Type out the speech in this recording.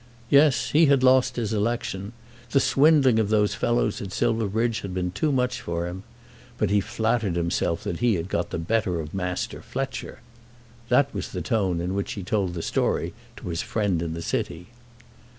Yes; he had lost his election. The swindling of those fellows at Silverbridge had been too much for him. But he flattered himself that he had got the better of Master Fletcher. That was the tone in which he told the story to his friend in the city.